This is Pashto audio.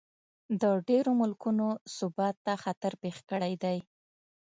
د ډېرو ملکونو ثبات ته خطر پېښ کړی دی.